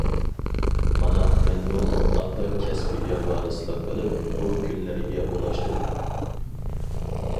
مانا مەنمۇ ئاتا كەسپىگە ۋارىسلىق قىلىپ، بۇ كۈنلەرگە ئۇلاشتىم.